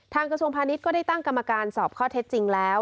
กระทรวงพาณิชย์ก็ได้ตั้งกรรมการสอบข้อเท็จจริงแล้ว